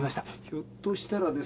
ひょっとしたらですね。